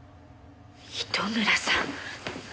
糸村さん！